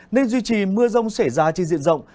nên duy trì mưa rông xảy ra trên diện rộng